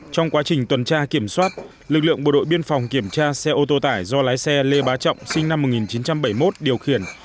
trong quá trình tuần tra kiểm soát lực lượng bộ đội biên phòng kiểm tra xe ô tô tải do lái xe lê bá trọng sinh năm một nghìn chín trăm bảy mươi một điều khiển